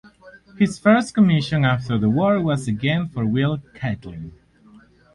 His first commission after the war was again for Will Catlin.